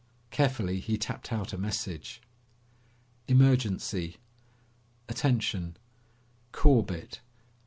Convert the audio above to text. Carefully he tapped out a message. "... emergency ... attention ... Corbett ...